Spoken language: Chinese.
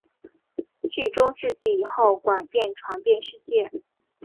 至中世纪以后广泛传遍世界。